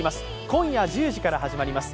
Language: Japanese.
今夜１０時から始まります